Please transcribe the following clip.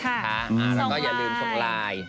แล้วก็อย่าลืมส่งไลน์